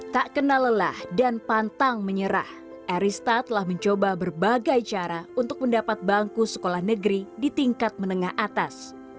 tak kenal lelah dan pantang menyerah arista telah mencoba berbagai cara untuk mendapat bangku sekolah negeri di tingkat menengah atas